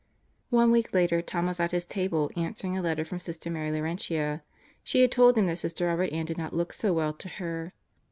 ... One week later Tom was at his table answering a letter from Sister Mary Laurentia. She had told him that Sister Robert Ann did not look so well to her.